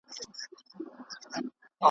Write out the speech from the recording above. لا ورته ګوري سره اورونه د سکروټو دریاب .